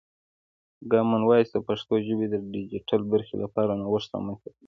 کامن وایس د پښتو ژبې د ډیجیټل برخې لپاره نوښت رامنځته کوي.